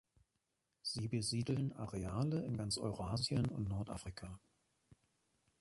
Sie besiedeln Areale in ganz Eurasien und in Nordafrika.